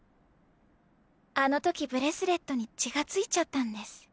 あの時ブレスレットに血が付いちゃったんです。